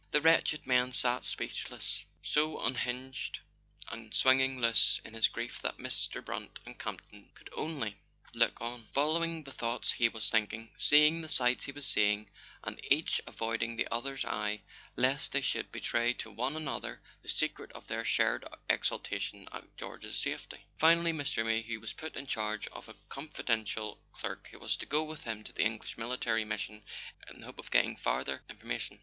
The wretched man sat speechless, so unhinged and swinging loose in his grief that Mr. Brant and Camp ton could only look on, following the thoughts he was thinking, seeing the sights he was seeing, and each avoiding the other's eye lest they should betray to one another the secret of their shared exultation at George's safety. Finally Mr. Mayhew was put in charge of a con¬ fidential clerk, who was to go with him to the English Military Mission in the hope of getting farther in¬ formation.